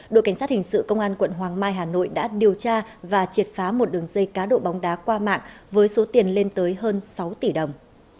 đội cảnh sát hình sự công an quận hoàng mai hà nội đã điều tra và triệt phá một đường dây cá độ bóng đá qua mạng với số tiền lên tới hơn sáu tỷ đồng